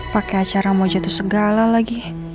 pakai acara mau jatuh segala lagi